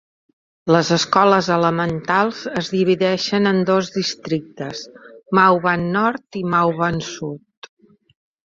Les escoles elementals es divideixen en dos districtes: Mauban Nord i Mauban Sud.